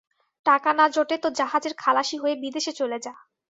টাকা না জোটে তো জাহাজের খালাসী হয়ে বিদেশে চলে যা।